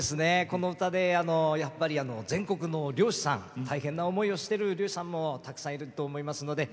この歌で全国の漁師さん大変な思いをしている漁師さんもたくさんいると思います。